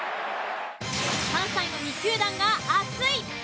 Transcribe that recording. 関西の２球団が熱い！